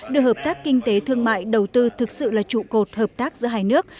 đưa hợp tác kinh tế thương mại đầu tư thực sự là trụ cột hợp tác giữa hai nước